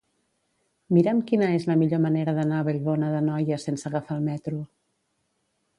Mira'm quina és la millor manera d'anar a Vallbona d'Anoia sense agafar el metro.